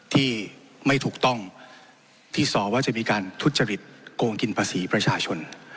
ที่ไม่ถูกต้องที่สอว่าจะมีการทุจริตโกงกินภาษีประชาชน